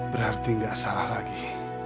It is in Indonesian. berarti gak salah lagi